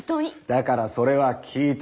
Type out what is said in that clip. だからそれは聞いた。